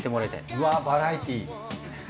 うわっバラエティー。